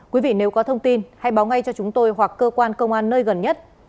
quý vị nếu có thông tin hãy báo ngay cho chúng tôi hoặc cơ quan công an nơi gần nhất